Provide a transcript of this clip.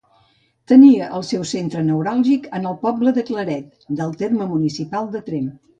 Tenia el seu centre neuràlgic en el poble de Claret, del terme municipal de Tremp.